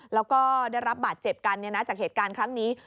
แล้วก็ได้รับบาดเจ็บกันจากเหตุการณ์ครั้งนี้